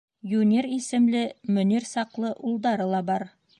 Юнир исемле Мөнир саҡлы улдары ла бар.